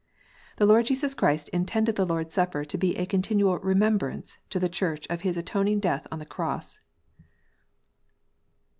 The Lord Jesus Christ intended the Lord s Supper to be a continual remembrance* to the Church of His atoning death on the Cross.